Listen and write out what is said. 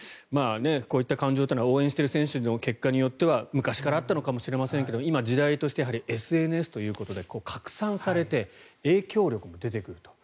こういった感情は応援している選手の結果によっては昔からあったのかもしれませんが今、時代としてＳＮＳというところで拡散されて影響力も出てくると。